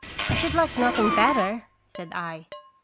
" I should like nothing better," said I.